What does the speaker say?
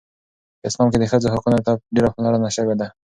په اسلام کې د ښځو حقوقو ته ډیره پاملرنه شوې ده.